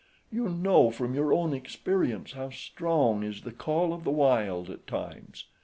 You know from your own experience how strong is the call of the wild at times.